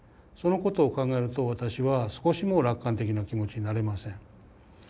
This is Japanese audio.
そのことを考えると私は少しも楽観的な気持ちになれません。